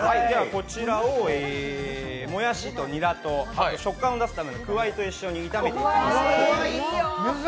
こちらをもやしとニラと食感を出すためにくわいと一緒に炒めていきます。